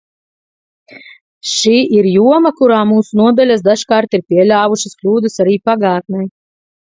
Šī ir joma, kurā mūsu nodaļas dažkārt ir pieļāvušas kļūdas arī pagātnē.